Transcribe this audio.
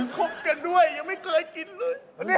คบกันด้วยยังไม่เคยกินเลย